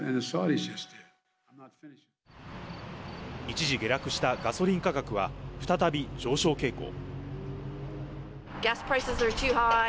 一時下落したガソリン価格は、再び上昇傾向。